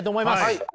はい！